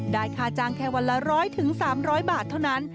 ค่าจ้างแค่วันละ๑๐๐๓๐๐บาทเท่านั้น